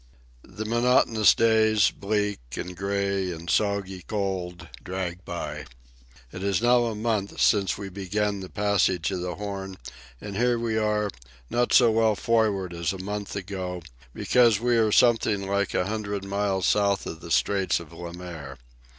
The monotonous days, bleak and gray and soggy cold, drag by. It is now a month since we began the passage of the Horn, and here we are, not so well forward as a month ago, because we are something like a hundred miles south of the Straits of Le Maire.